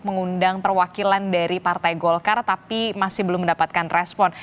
mengundang perwakilan dari partai golkar tapi masih belum mendapatkan respon